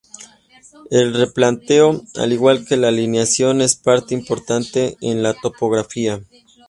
El replanteo, al igual que la alineación, es parte importante en la topografía.